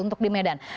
untuk di medan